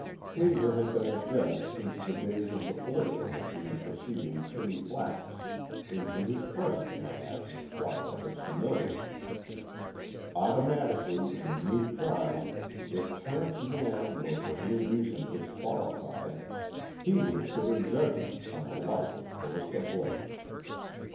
Cleever had been a judge since the days of the political machine preceding Timmy Flack's, into his present miasmic twilight of senility. Automatically, in a new trial, if Terence Mann were for any reason disqualified, he would sit in judgment on the life of Callista Blake.